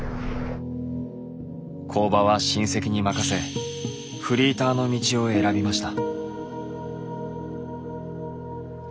工場は親戚に任せフリーターの道を選びました。